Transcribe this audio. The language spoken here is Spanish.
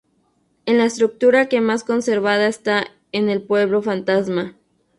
Es la estructura que más conservada está en el pueblo fantasma.